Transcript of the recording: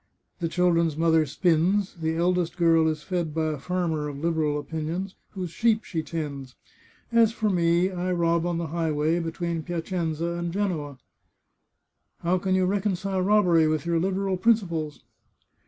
" The children's mother spins ; the eldest girl is fed by a farmer of Liberal opinions, whose sheep she tends. As for me, I rob on the highway between Piacenza and Genoa," " How can you reconcile robbery with your Liberal prin ciples